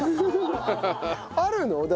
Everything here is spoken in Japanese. あるの？